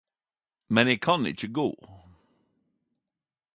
Men eg kan ikkje gå